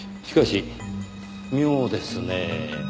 しかし妙ですねぇ。